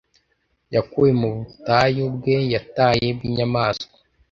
Yakuwe mu butayu bwe yataye, Bwinyamaswa